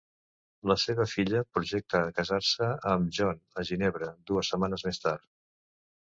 La seva filla projecta casar-se amb John a Ginebra dues setmanes més tard.